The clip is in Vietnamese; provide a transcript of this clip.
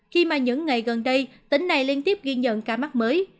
khi mà những ngày gần đây tỉnh này liên tiếp ghi nhận ca mắc mới